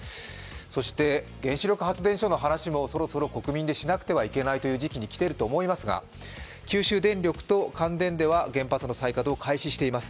そして、原子力発電所の話もそろそろ国民でしなければいけない時期にきていると思いますが九州電力と関電では原発の再稼働を開始しています。